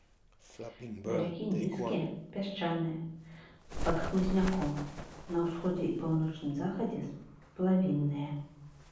Берагі нізкія, пясчаныя, пад хмызняком, на ўсходзе і паўночным захадзе сплавінныя.